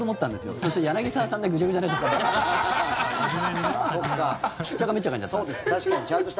そしたら柳澤さんでぐちゃぐちゃになっちゃった。